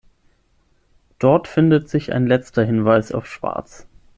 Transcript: Dort findet sich ein letzter Hinweis auf Schwartz.